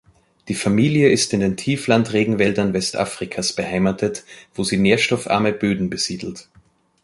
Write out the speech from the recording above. Die Familie ist in den Tieflandregenwäldern Westafrikas beheimatet, wo sie nährstoffarme Böden besiedelt.